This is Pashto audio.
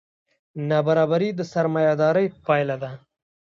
نابرابري د سرمایهدارۍ پایله ده.